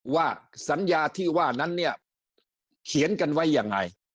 ว่าสัญญาที่ว่านั้นเนี่ยเขียนกันไว้ยังไง